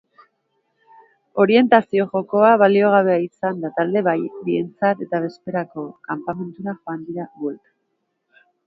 Orientazio jokoa baliogabea izan da talde bientzat eta bezperako kanpamentura joan dira bueltan.